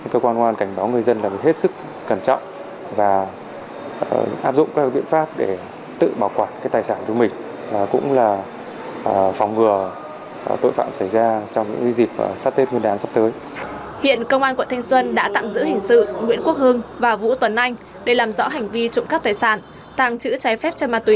cơ quan công an cảnh báo người dân là hết sức cẩn trọng và áp dụng các biện pháp